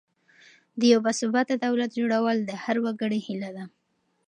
د یو باثباته دولت جوړول د هر وګړي هیله ده.